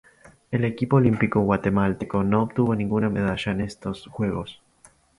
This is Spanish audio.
El equipo olímpico guatemalteco no obtuvo ninguna medalla en estos Juegos.